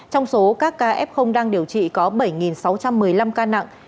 trong số các ca f đang điều trị có bảy sáu trăm một mươi năm ca nặng